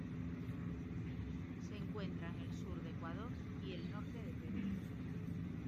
Se encuentra en el sur de Ecuador y el norte de Perú.